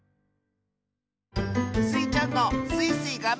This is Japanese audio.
スイちゃんの「スイスイ！がんばるぞ」